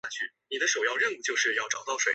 后由唐若时接任。